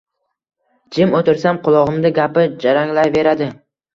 jim oʼtirsam, qulogʼimda gapi jaranglayveradi.